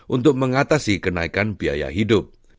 untuk mengatasi kenaikan biaya hidup